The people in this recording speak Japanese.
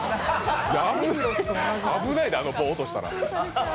危ないで、あの棒落としたら。